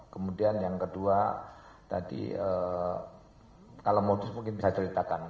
kemudian yang kedua tadi kalau modus mungkin bisa ceritakan